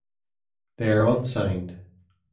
They are unsigned.